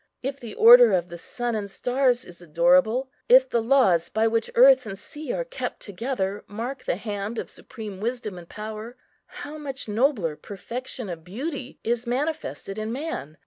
If the order of the sun and stars is adorable, if the laws by which earth and sea are kept together mark the Hand of supreme Wisdom and Power, how much nobler perfection of beauty is manifested in man!